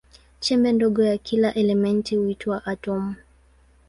Chembe ndogo ya kila elementi huitwa atomu.